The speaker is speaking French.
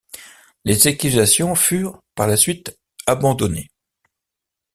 Les accusations furent, par la suite, abandonnées.